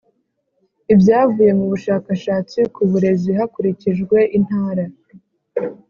Ibyavuye mu bushakashatsi ku burezi hakurikijwe Intara